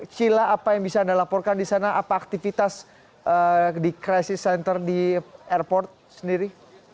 cila apa yang bisa anda laporkan di sana apa aktivitas di crisis center di airport sendiri